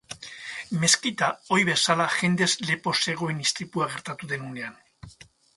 Meskita, ohi bezala, jendez lepo zegoen istripua gertatu den unean.